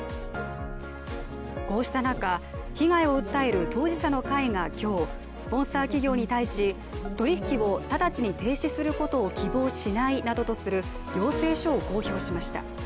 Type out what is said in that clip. こうした中、被害を訴える当事者の会が今日、スポンサー企業に対し取り引きを直ちに停止することを希望しないなどとする要請書を公表しました。